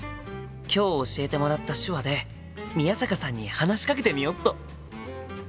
今日教えてもらった手話で宮坂さんに話しかけてみよっと！